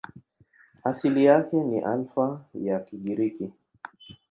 Asili yake ni Alfa ya Kigiriki.